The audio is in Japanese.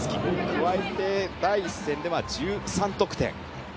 加えて、第１戦では１３得点。